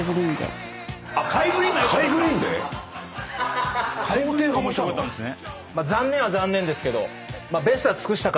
まあ残念は残念ですけど。